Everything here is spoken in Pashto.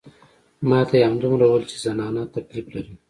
ما ته يې همدومره وويل چې زنانه تکليف لري.